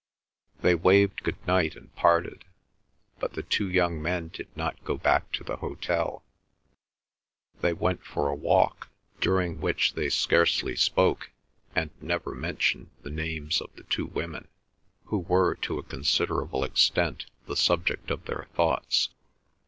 They waved good night and parted, but the two young men did not go back to the hotel; they went for a walk, during which they scarcely spoke, and never mentioned the names of the two women, who were, to a considerable extent, the subject of their thoughts.